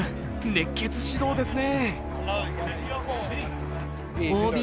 熱血指導ですね。